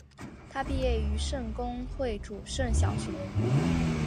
他毕业于圣公会诸圣小学。